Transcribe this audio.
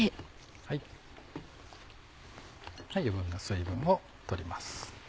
余分な水分を取ります。